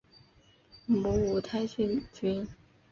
母五台郡君。